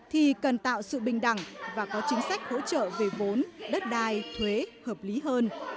thì cần tạo sự bình đẳng và có chính sách hỗ trợ về vốn đất đai thuế hợp lý hơn